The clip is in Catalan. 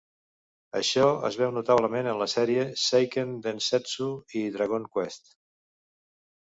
Això es veu notablement en la sèrie "Seiken Densetsu" i "Dragon Quest".